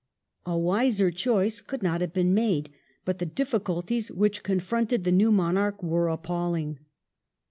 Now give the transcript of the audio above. A wiser choice could not have been made ; but the difficulties which confronted the new monarch were appalling.